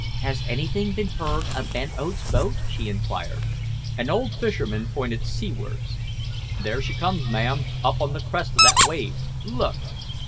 "Has anything been heard of Ben Oates' boat?" she enquired. An old fisherman pointed seawards. "There she comes, ma'am, up on the crest of that wave; look!"